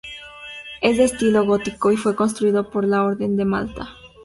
Es de estilo gótico y fue construido por la orden de Malta.